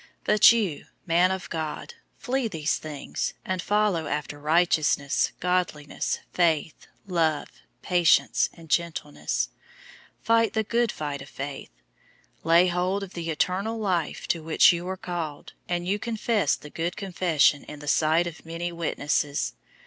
006:011 But you, man of God, flee these things, and follow after righteousness, godliness, faith, love, patience, and gentleness. 006:012 Fight the good fight of faith. Lay hold of the eternal life to which you were called, and you confessed the good confession in the sight of many witnesses.